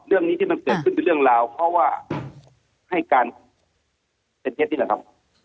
เรื่องนี้ที่มันเกิดขึ้นเป็นเรื่องราวเพราะว่าให้การเป็นเท็จนี่แหละครับ